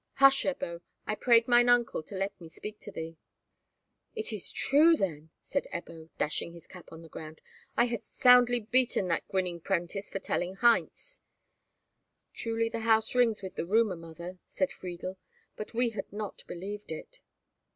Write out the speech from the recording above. "Hush, Ebbo! I prayed mine uncle to let me speak to thee." "It is true, then," said Ebbo, dashing his cap on the ground; "I had soundly beaten that grinning 'prentice for telling Heinz." "Truly the house rings with the rumour, mother," said Friedel, "but we had not believed it."